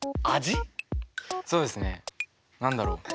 そうですね何だろ。